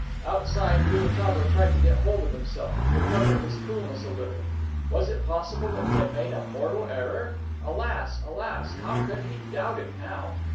Outside, Rouletabille tried to get hold of himself, to recover his coolness a little. Was it possible that he had made a mortal error? Alas, alas, how could he doubt it now!